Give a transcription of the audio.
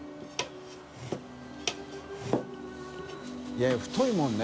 い笋い太いもんね。